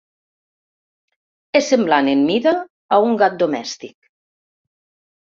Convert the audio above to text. És semblant en mida a un gat domèstic.